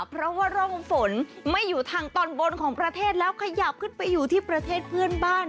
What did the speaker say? เพราะว่าร่องฝนไม่อยู่ทางตอนบนของประเทศแล้วขยับขึ้นไปอยู่ที่ประเทศเพื่อนบ้าน